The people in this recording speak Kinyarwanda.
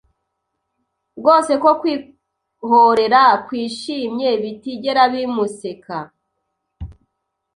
Rwose ko kwihorera kwishimye bitigera bimuseka